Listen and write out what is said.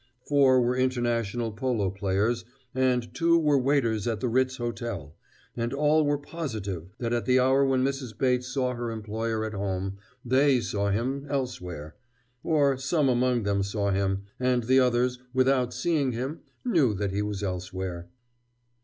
Four were International polo players, and two were waiters at the Ritz Hotel, and all were positive that at the hour when Mrs. Bates saw her employer at home, they saw him elsewhere or some among them saw him, and the others, without seeing him, knew that he was elsewhere.